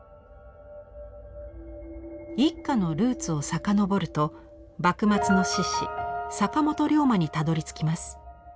一家のルーツを遡ると幕末の志士坂本龍馬にたどりつきます。